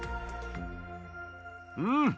うん！